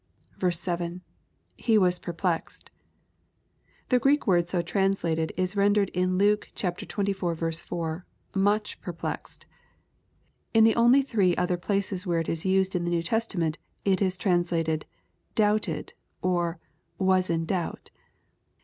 — [He was perpJexed.] The Q reek word so translated, is rendered, in Luke xxiv. 4., "much perplexed." In the only three other places where it is used in the New Testament, it is translated, "doubted," or, "was in doubt."